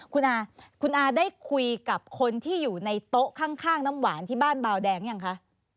คุณอาคุณอาได้คุยกับคนที่อยู่ในโต๊ะข้างน้ำหวานที่บ้านบาวแดงยังคะ